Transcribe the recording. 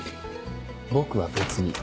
僕は別に。